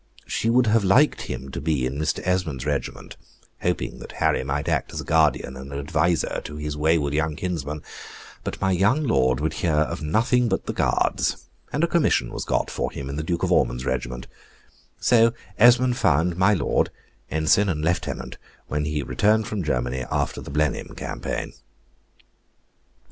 She would have liked him to be in Mr. Esmond's regiment, hoping that Harry might act as a guardian and adviser to his wayward young kinsman; but my young lord would hear of nothing but the Guards, and a commission was got for him in the Duke of Ormond's regiment; so Esmond found my lord, ensign and lieutenant, when he returned from Germany after the Blenheim campaign.